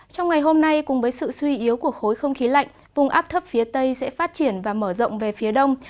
trong ngày hôm nay cùng với sự suy yếu của khối không khí lạnh vùng áp thấp phía tây sẽ phát triển và mở rộng về phía đông